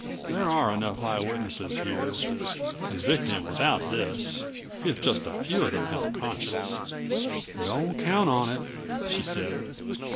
"There are enough eye witnesses here to convict him without this, if just a few of them have a conscience." "Don't count on it," she said.